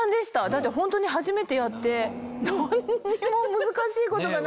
だってホントに初めてやって何にも難しいことがなくて。